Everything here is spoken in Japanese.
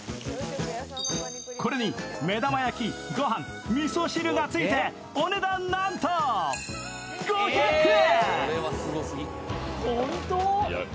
これに目玉焼き、御飯、みそ汁が付いて、お値段なんと５００円！